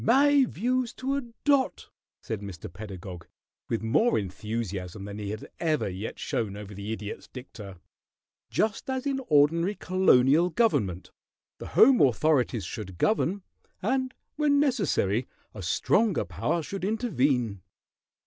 "My views to a dot," said Mr. Pedagog, with more enthusiasm than he had ever yet shown over the Idiot's dicta. "Just as in ordinary colonial government, the home authorities should govern, and when necessary a stronger power should intervene."